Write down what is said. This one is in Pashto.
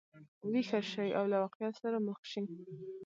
ویښه شي او له واقعیت سره مخ شي.